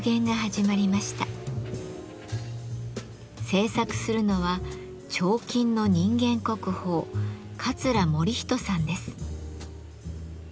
制作するのは彫金の人間国宝桂盛仁さんです。